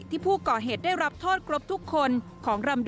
ที่ผู้ก่อเหตุได้รับโทษครบทุกคนของรำ